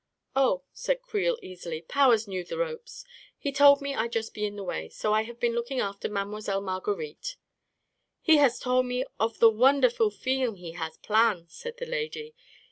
" Oh," said Creel easily, " Powers knew the ropes. He told me I'd just be in the way. So I have been looking after Mile. Marguerite." 44 He has tol' me of the wonderful feelm he has plan 9 ," said the lady.